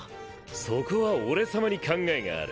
そこは俺様に考えがある。